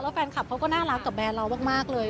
แฟนคลับเขาก็น่ารักกับแนนเรามากเลย